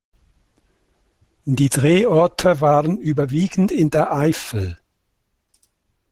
Die Drehorte waren überwiegend in der Eifel.